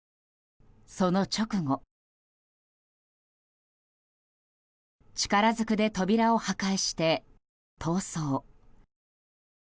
その直後力ずくで扉を破壊して、逃走。